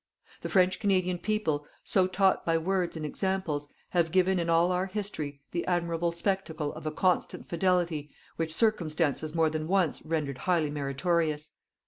"The French Canadian people, so taught by words and examples, have given in all our history the admirable spectacle of a constant fidelity which circumstances more than once rendered highly meritorious.